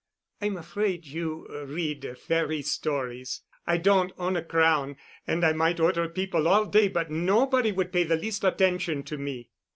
"I'm afraid you read fairy stories. I don't own a crown, and I might order people all day, but nobody would pay the least attention to me."